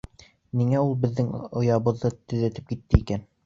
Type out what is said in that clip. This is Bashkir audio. — Ниңә ул беҙҙең оябыҙҙы төҙәтеп китте икән?